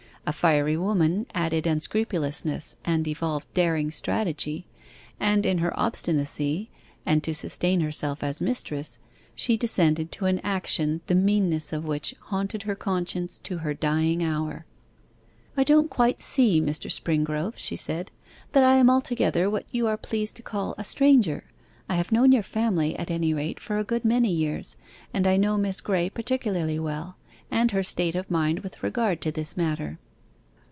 A fiery woman added unscrupulousness and evolved daring strategy; and in her obstinacy, and to sustain herself as mistress, she descended to an action the meanness of which haunted her conscience to her dying hour. 'I don't quite see, Mr. Springrove,' she said, 'that I am altogether what you are pleased to call a stranger. I have known your family, at any rate, for a good many years, and I know Miss Graye particularly well, and her state of mind with regard to this matter.